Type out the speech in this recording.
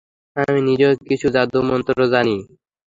আমি নিজেও কিছু জাদুমন্ত্র জানি।